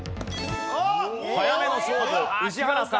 早めの勝負宇治原さん。